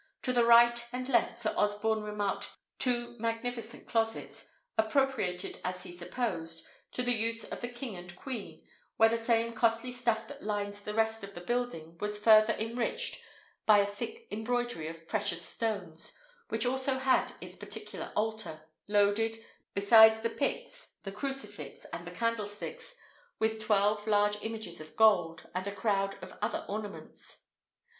To the right and left, Sir Osborne remarked two magnificent closets, appropriated, as he supposed, to the use of the king and queen, where the same costly stuff that lined the rest of the building was further enriched by a thick embroidery of precious stones; each also had its particular altar, loaded, besides the pix, the crucifix, and the candlesticks, with twelve large images of gold, and a crowd of other ornaments.